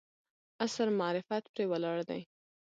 عصر معرفت پرې ولاړ دی.